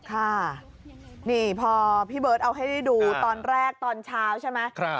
ค่ะนี่พอพี่เบิร์ตเอาให้ได้ดูตอนแรกตอนเช้าใช่ไหม